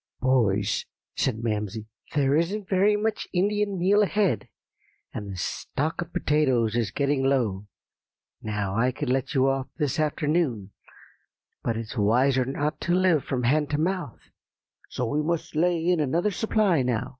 "'Boys,' said Mamsie, 'there isn't very much Indian meal ahead, and the stock of potatoes is getting low; now I could let you off this afternoon, but it's wiser not to live from hand to mouth, so we must lay in another supply now.